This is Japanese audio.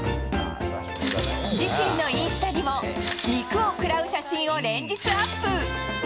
自身のインスタにも、肉を食らう写真を連日アップ。